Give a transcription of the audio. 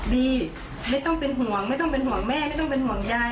ดีไม่ต้องเป็นห่วงไม่ต้องเป็นห่วงแม่ไม่ต้องเป็นห่วงยาย